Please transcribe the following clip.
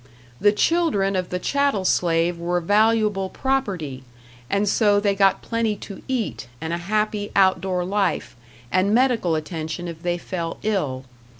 The children of the chattel slave were valuable property, and so they got plenty to eat, and a happy outdoor life, and medical attention if they fell ill.